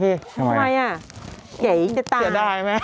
ผู้หญิงทั้งแก